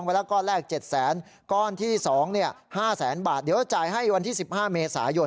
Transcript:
แล้วก็จ่ายเงินจ่ายทองแล้วก็แรก๗แสนก้อนที่๒เนี่ย๕แสนบาทเดี๋ยวจะจ่ายให้วันที่๑๕เมษายน